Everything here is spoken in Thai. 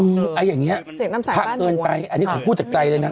อือไอ้อย่างเงี้ยเสียงตามสายบ้านภะเกินไปอันนี้ของผู้จัดใจเลยนะ